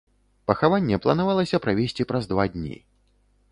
Пахаванне планавалася правесці праз два дні.